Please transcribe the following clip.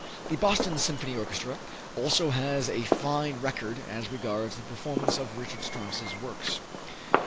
The Boston Symphony Orchestra also has a fine record as regards the performance of Richard Strauss's works.